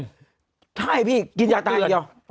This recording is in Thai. ใช่พี่กินยาตายเดียว